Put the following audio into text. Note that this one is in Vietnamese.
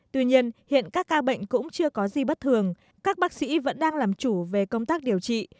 tuy nhiên hiện các ca bệnh cũng chưa có gì bất thường các bác sĩ vẫn đang làm chủ về công tác điều trị